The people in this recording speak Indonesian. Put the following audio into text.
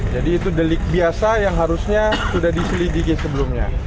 jadi itu delik biasa yang harusnya sudah diselidiki sebelumnya